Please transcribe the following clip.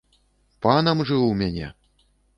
Панам жыў у мяне.